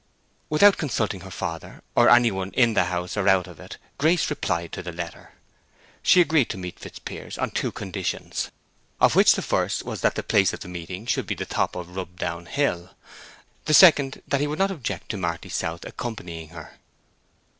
Without consulting her father, or any one in the house or out of it, Grace replied to the letter. She agreed to meet Fitzpiers on two conditions, of which the first was that the place of meeting should be the top of Rubdown Hill, the second that he would not object to Marty South accompanying her.